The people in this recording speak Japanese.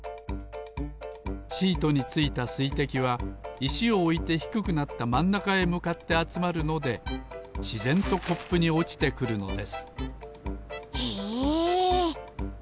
シートについたすいてきはいしをおいてひくくなったまんなかへむかってあつまるのでしぜんとコップにおちてくるのですへえ。